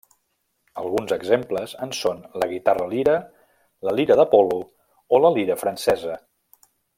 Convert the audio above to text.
Alguns exemples en són la guitarra-lira, la Lira d'Apol·lo o la Lira Francesa.